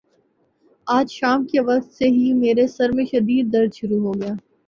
آج شام کے وقت سے ہی میرے سر میں شدد درد شروع ہو گیا۔